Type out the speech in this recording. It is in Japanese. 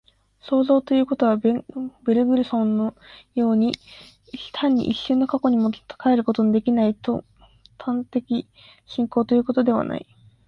創造ということは、ベルグソンのいうように、単に一瞬の過去にも還ることのできない尖端的進行ということではない。